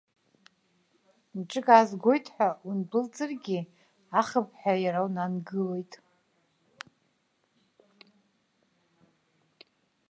Мҿык аазгоит ҳәа ундәылҵыргьы, ахыԥҳәа иара унангылоит.